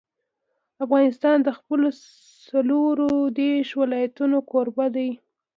افغانستان د خپلو څلور دېرش ولایتونو کوربه دی.